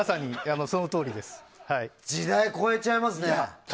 時代超えちゃいますね。